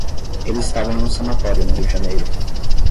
Ele estava em um sanatório no Rio de Janeiro.